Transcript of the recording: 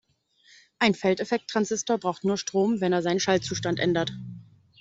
Ein Feldeffekttransistor braucht nur Strom, wenn er seinen Schaltzustand ändert.